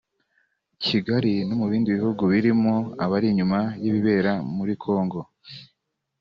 Kigali no mu bindi bihugu birimo abari inyuma y’ibibera muri Congo